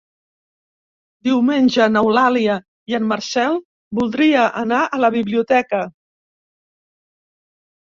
Diumenge n'Eulàlia i en Marcel voldria anar a la biblioteca.